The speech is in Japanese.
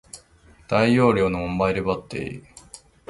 大容量のモバイルバッテリー